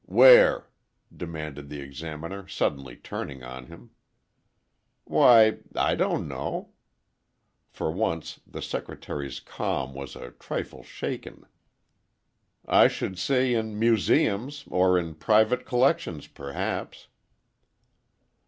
"Where?" demanded the Examiner, suddenly turning on him. "Why—I don't know." For once, the Secretary's calm was a trifle shaken. "I should say in museums—or in private collections, perhaps."